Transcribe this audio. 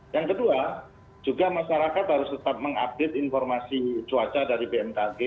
yang kedua juga masyarakat harus tetap mengupdate informasi cuaca dari bmkg